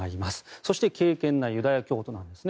そして敬けんなユダヤ教徒なんですね。